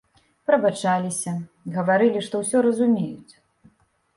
Прабачаліся, гаварылі, што ўсё разумеюць.